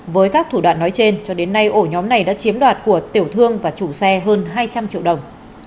với các thủ đoạn nói trên cho đến nay ổ nhóm này đã chiếm đoạt của tiểu thương và chủ xe hơn hai trăm linh triệu đồng